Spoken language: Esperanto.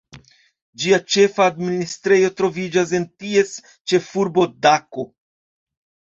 Ĝia ĉefa administrejo troviĝas en ties ĉefurbo Dako.